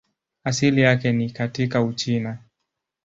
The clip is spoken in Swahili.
Asili yake ni katika Uchina.